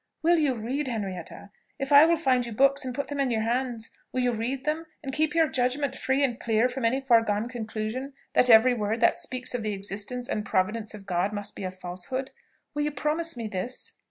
Will you read, Henrietta? if I will find you books and put them in your hands, will you read them, and keep your judgment free and clear from any foregone conclusion that every word that speaks of the existence and providence of God must be a falsehood? Will you promise me this?"